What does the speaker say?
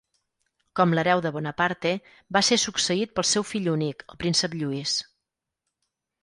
Com l'hereu de Bonaparte, va ser succeït pel seu fill únic, el príncep Lluís.